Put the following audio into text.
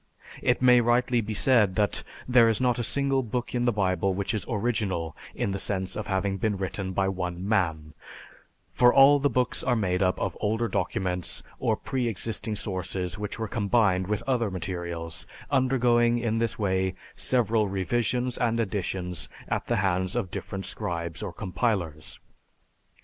"It may rightly be said that there is not a single book in the Bible which is original in the sense of having been written by one man, for all the books are made up of older documents or pre existing sources which were combined with later materials, undergoing, in this way, several revisions and editions at the hands of different scribes or compilers.